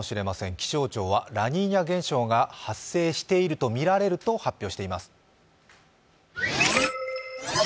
気象庁はラニーニャ現象が発生しているとみられると発表しています。